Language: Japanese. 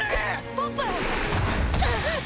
ポップ！